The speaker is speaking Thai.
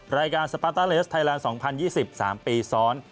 รายการสปาร์ตาเลสไทยลานด์๒๐๒๐สามปีซ้อน